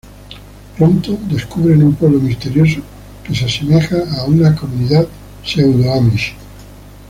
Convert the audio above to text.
Pronto, descubren un pueblo misterioso que se asemeja a una comunidad pseudo Amish.